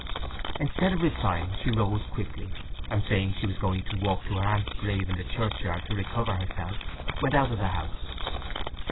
Instead of replying she rose quickly, and saying she was going to walk to her aunt's grave in the churchyard to recover herself, went out of the house.